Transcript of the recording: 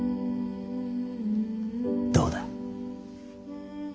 どうだ。